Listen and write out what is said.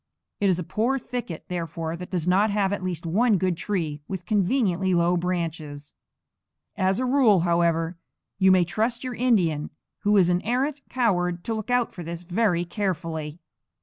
It is a poor thicket, therefore, that does not have at least one good tree with conveniently low branches. As a rule, however, you may trust your Indian, who is an arrant coward, to look out for this very carefully.